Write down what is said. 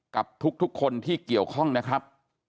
กับทุกคนที่เกี่ยวข้องนะครับ